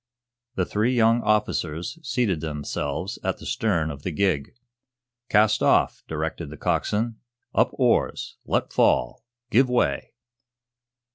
The three young officers seated themselves at the stern of the gig. "Cast off," directed the coxswain. "Up oars! Let fall! Give way!"